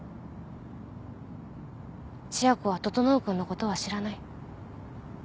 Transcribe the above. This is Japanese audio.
千夜子は整君のことは知らない。